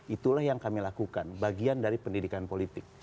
itulah yang kami lakukan bagian dari pendidikan politik